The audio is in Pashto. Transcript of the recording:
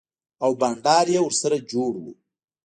او بنډار يې ورسره جوړ و.